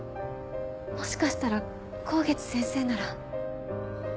もしかしたら香月先生なら。